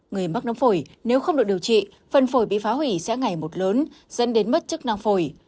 người mắc nấm phổi nếu không được điều trị phần phổi bị phá hủy sẽ ngày một lớn dẫn đến mất chức năng phổi